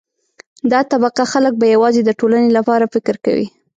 دا طبقه خلک به یوازې د ټولنې لپاره فکر کوي.